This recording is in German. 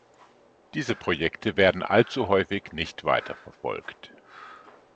Diese Projekte werden allzu häufig nicht weiterverfolgt.